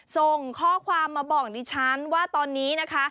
ส่งข้อความมาบอกดิฉันว่าตอนนี้นะคะ